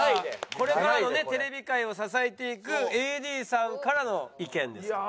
これからのねテレビ界を支えていくＡＤさんからの意見ですから。